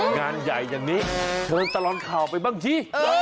งานใหญ่อย่างนี้เชิญตลอดข่าวไปบ้างสิ